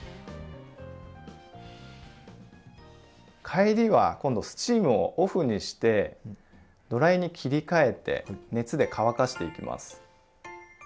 帰りは今度スチームをオフにしてドライに切り替えて熱で乾かしていきます。